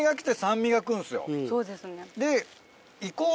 そうですね。